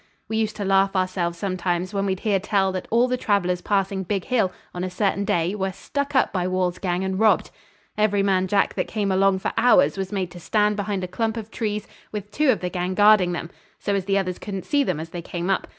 We used to laugh ourselves sometimes, when we'd hear tell that all the travellers passing Big Hill on a certain day were 'stuck up by Wall's gang and robbed.' Every man Jack that came along for hours was made to stand behind a clump of trees with two of the gang guarding them, so as the others couldn't see them as they came up.